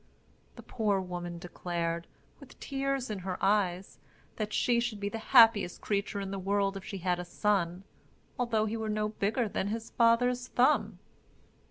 The poor woman declared, with tears in her eyes, that she should be the happiest creature in the world if she had a son, although he were no bigger than his father's thumb.